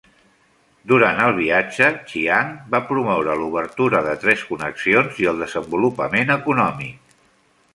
Durant el viatge, Chiang va promoure l'obertura de tres connexions i el desenvolupament econòmic.